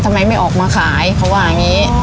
ทำไมไม่ออกมาขายเขาว่าอย่างนี้